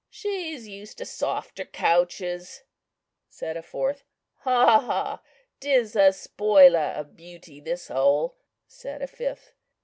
"She's used to softer couches," said a fourth. "Ha! ha! 'tis a spoiler of beauty, this hole," said a fifth.